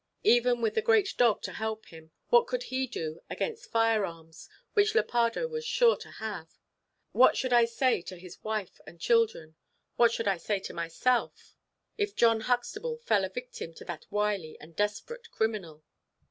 Even with the great dog to help him, what could he do against fire arms, which Lepardo was sure to have? What should I say to his wife and children, what should I say to myself, if John Huxtable fell a victim to that wily and desperate criminal?